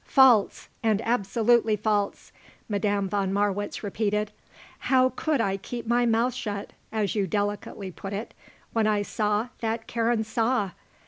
"False, and absolutely false!" Madame von Marwitz repeated. "How could I keep my mouth shut as you delicately put it when I saw that Karen saw?